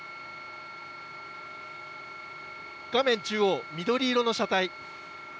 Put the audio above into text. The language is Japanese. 中央、緑色の車体。